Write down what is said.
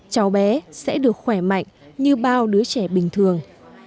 cháu bé sẽ được khỏe mạnh như bao đứa trẻ bình thường